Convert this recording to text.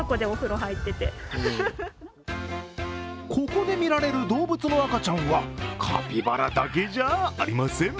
ここで見られる動物の赤ちゃんはカピバラだけじゃありません。